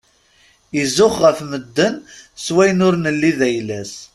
Izux ɣef madden s wayen ur nelli d ayla-s.